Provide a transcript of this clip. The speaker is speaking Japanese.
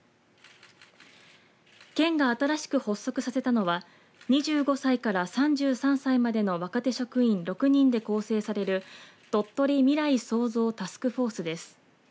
県が新しく発足させたのは２５歳から３３歳までの若手職員６人で構成されるとっとり未来創造タスクフォースです。